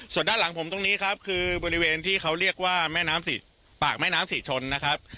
ส่วนด้านหลังผมตรงนี้ครับคือบริเวณที่เขาเรียกว่าแม่น้ำปากแม่น้ำศรีชนนะครับ